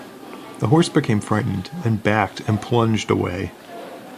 The horse became frightened and backed and plunged away.